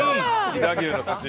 飛騨牛の寿司。